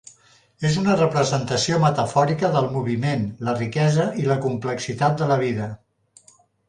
És una representació metafòrica del moviment, la riquesa i la complexitat de la vida.